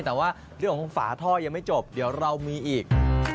แต่ว่าเรื่องของฝาท่อยังไม่จบเดี๋ยวเรามีอีก